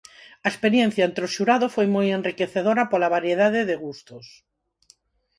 A experiencia entre o xurado foi moi enriquecedora pola variedade de gustos.